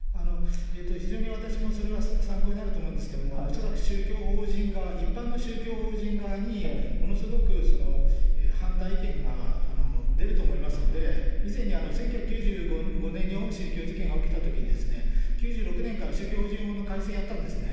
非常に私もそれは参考になると思うんですけど、恐らく宗教法人側、一般の宗教法人側に、ものすごく反対意見が出ると思いますので、以前に１９９５年にオウム真理教事件が起きたときに、９６年から宗教法人法の改正やったんですね。